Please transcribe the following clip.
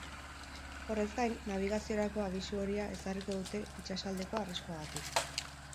Horrez gain, nabigaziorako abisu horia ezarriko dute itsasaldeko arriskuagatik.